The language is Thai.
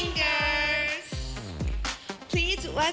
รักคุณค่ะ